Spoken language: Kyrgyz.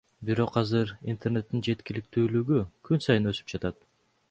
Бирок азыр интернеттин жеткиликтүүлүгү күн сайын өсүп жатат.